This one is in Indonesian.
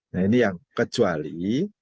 nah ini yang kecuali